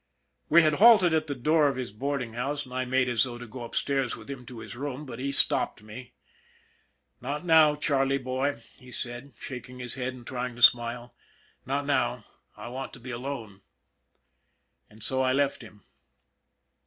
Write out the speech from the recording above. We had halted at the door of his boarding house and I made as though to go upstairs with him to his room, but he stopped me. " Not now, Charlie, boy," he said, shaking his head and trying to smile ;" not now. I want to be alone." And so I left him.